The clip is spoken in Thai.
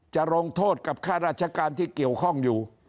จะลงโทษกับค่าราชการที่เกี่ยวข้องอยู่